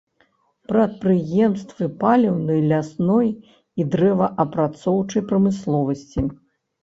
Прадпрыемствы паліўнай, лясной і дрэваапрацоўчай прамысловасці.